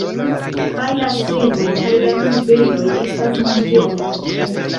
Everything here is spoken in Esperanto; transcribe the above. Kaj la semoj kaj la tuberoj estas manĝeblaj.